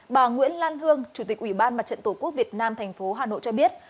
bà nguyễn lan hương chủ tịch ủy ban mặt trận tổ quốc việt nam tp hà nội cho biết